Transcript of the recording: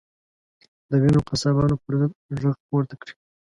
د وینو قصابانو پر ضد غږ پورته کړئ.